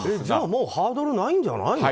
じゃあハードルないんじゃないの？